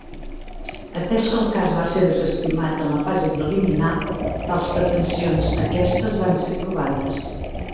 Atès que el cas va ser desestimat en la fase preliminar, tals pretensions aquestes van ser provades.